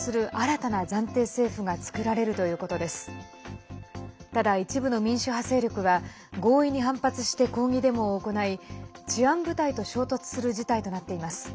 ただ、一部の民主派勢力は合意に反発して抗議デモを行い治安部隊と衝突する事態となっています。